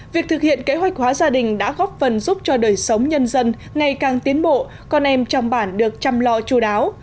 việc thực hiện kế hoạch hóa gia đình đã góp phần giúp cho đời sống nhân dân ngày càng tiến bộ con em trong bản được chăm lo chú đáo